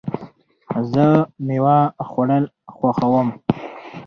زه مېوه خوړل خوښوم.